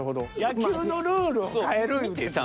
野球のルールを変える言うてんねん。